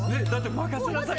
「任せなさい」